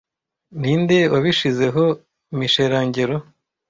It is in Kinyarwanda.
Ninde wabishizeho Michelangelo